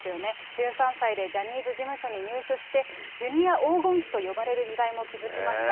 １３歳でジャニーズ事務所に入所して、Ｊｒ．黄金期と呼ばれる時代も築きました。